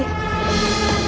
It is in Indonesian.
itu bukanlah sifat kesatria